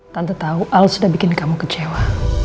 tante tahu al sudah bikin kamu kecewa